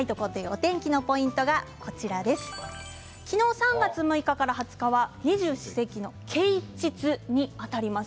お天気のポイントは３月６日から２０日は二十四節気の啓蟄にあたります。